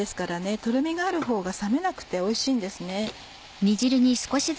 とろみがあるほうが冷めなくておいしいんですね。